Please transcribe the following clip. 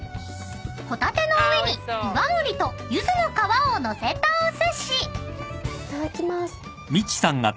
［ホタテの上に岩のりとユズの皮を載せたお寿司］いただきます。